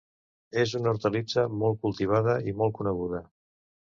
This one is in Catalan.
És una hortalissa molt cultivada i molt coneguda.